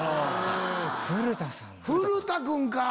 古田君か。